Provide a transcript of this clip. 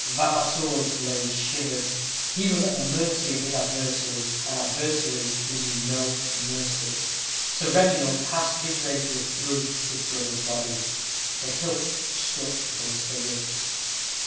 Vavasour's blade shivered. He was at the mercy of his adversary an adversary who knew no mercy. Sir Reginald passed his rapier through his brother's body. The hilt struck against his ribs.